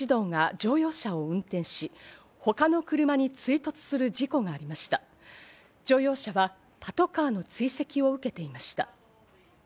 乗用車はパトカーの追跡を受けていました。